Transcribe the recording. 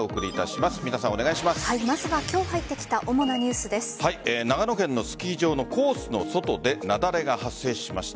まずは今日入ってきた長野県のスキー場のコースの外で雪崩が発生しました。